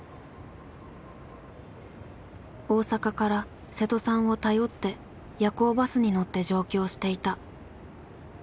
大阪から瀬戸さんを頼って夜行バスに乗って上京していた。